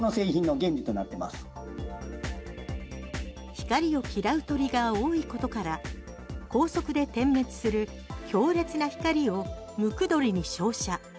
光を嫌う鳥が多いことから高速で点滅する強烈な光をムクドリに照射。